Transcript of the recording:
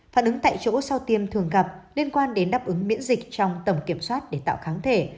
phản ứng tại chỗ sau tiêm thường gặp liên quan đến đáp ứng miễn dịch trong tầm kiểm soát để tạo kháng thể